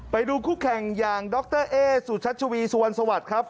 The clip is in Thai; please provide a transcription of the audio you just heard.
ไปดูคู่แข่งอย่างดรเอสุชัชวีสุวรรณสวัสดิ์ครับ